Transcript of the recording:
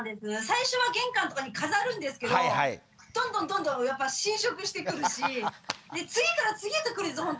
最初は玄関とかに飾るんですけどどんどんどんどんやっぱ侵食してくるし次から次へと来るんです。